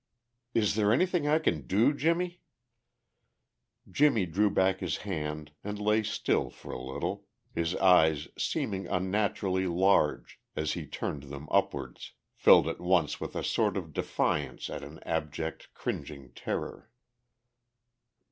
"Is there anything I can do, Jimmie." Jimmie drew back his hand and lay still for a little, his eyes seeming unnaturally large as he turned them upwards, filled at once with a sort of defiance and an abject, cringing terror.